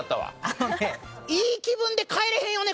あのねいい気分で帰れへんよね